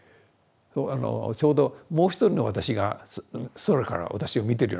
ちょうどもう一人の私が空から私を見てるような感じ。